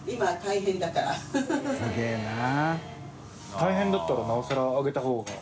大変だったらなおさら上げた方が。